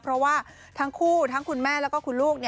เพราะว่าทั้งคู่ทั้งคุณแม่แล้วก็คุณลูก